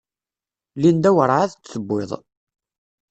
Linda werɛad d-tuwiḍ.